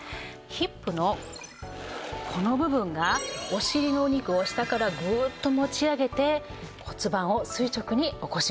ヒップのこの部分がお尻のお肉を下からグッと持ち上げて骨盤を垂直に起こします。